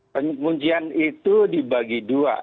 penguncian itu dibagi dua